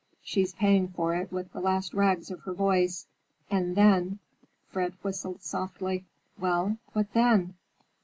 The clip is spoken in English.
She's paying for it with the last rags of her voice. And then—" Fred whistled softly. "Well, what then?"